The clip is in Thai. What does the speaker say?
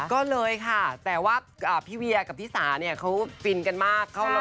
ก็เลยค่ะแต่ว่าพี่เวียกับพี่สาเนี่ยเขาฟินกันมาก